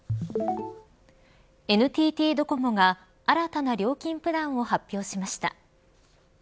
ＮＴＴドコモが新たな料金プランを発表しました。